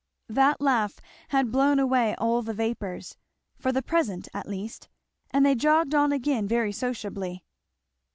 That laugh had blown away all the vapours, for the present at least, and they jogged on again very sociably.